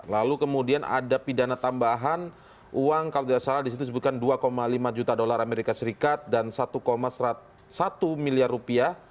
lalu kemudian ada pidana tambahan uang kalau tidak salah di situ disebutkan dua lima juta dolar amerika serikat dan satu satu miliar rupiah